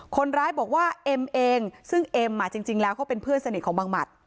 คนร้ายบอกว่าเอ็มเองซึ่งเอ็มจริงแล้วเขาเป็นเพื่อนสนิทของบังหมัด